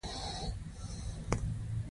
غریب د سترګو نه ښکارېږي